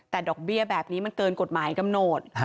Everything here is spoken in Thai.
แต่ดอกเบี้ยแบบนี้มันเกินกฎหมายกำหนด